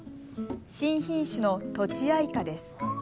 新品種のとちあいかです。